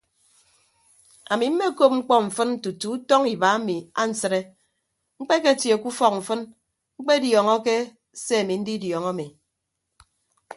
Ami mmekop mkpọ mfịn tutu utọñ iba emi ansịde mkpeketie ke ufọk mfịn mkpediọọñọke se ami ndidiọọñọ ami.